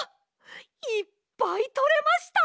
いっぱいとれました！